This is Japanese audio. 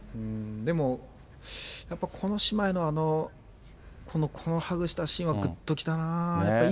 でもやっぱりこの姉妹のこのハグしたシーンはぐっときたなあ。